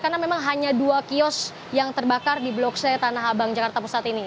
karena memang hanya dua kios yang terbakar di blok c tanah abang jakarta pusat ini